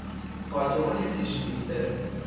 پالتوهای پیش دوخته